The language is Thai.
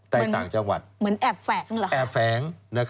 ใต้ต่างจังหวัดแอบแฝง